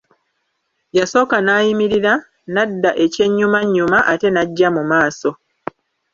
Yasooka n'ayimirira, n'adda ekyennyumannyuma ate n'ajja mu maaso.